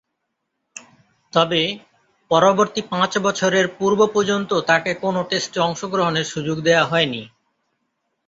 তবে, পরবর্তী পাঁচ বছরের পূর্ব-পর্যন্ত তাকে কোন টেস্টে অংশগ্রহণের সুযোগ দেয়া হয়নি।